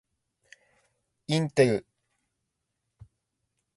インテル